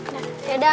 nah ya udah